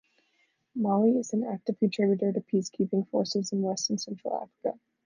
Mali is an active contributor to peacekeeping forces in West and Central Africa.